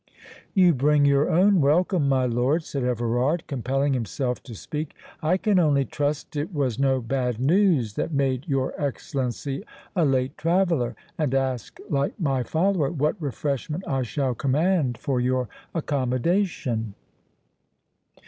"You bring your own welcome, my lord," said Everard, compelling himself to speak. "I can only trust it was no bad news that made your Excellency a late traveller, and ask, like my follower, what refreshment I shall command for your accommodation."